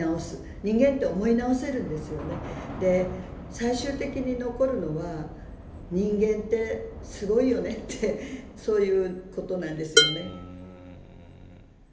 最終的に残るのは人間ってすごいよねってそういうことなんですよね。